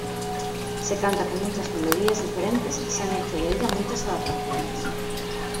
Se canta con muchas melodías diferentes y se han hecho de ella muchas adaptaciones.